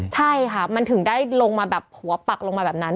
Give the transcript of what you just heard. ใช่ค่ะมันถึงได้ลงมาแบบหัวปักลงมาแบบนั้น